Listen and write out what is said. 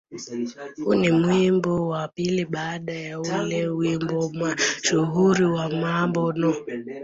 Huu ni wimbo wa pili baada ya ule wimbo mashuhuri wa "Mambo No.